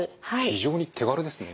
非常に手軽ですね。